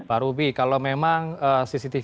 pak ruby kalau memang cctv